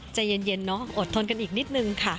ใจเย็นเนาะอดทนกันอีกนิดนึงค่ะ